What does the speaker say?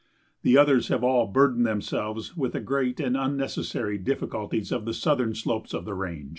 The others have all burdened themselves with the great and unnecessary difficulties of the southern slopes of the range.